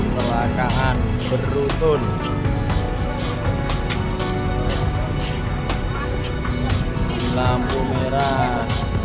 perlakahan berutun lampu merah